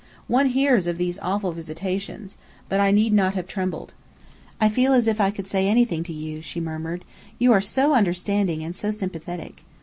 One hears of these awful visitations. But I need not have trembled. "I feel as if I could say anything to you," she murmured. "You are so understanding, and so sympathetic."